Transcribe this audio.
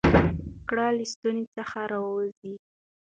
ګړه له ستوني څخه راوزي؟